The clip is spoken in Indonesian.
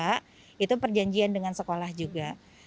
dan kita juga ada perjanjian dengan sekolah juga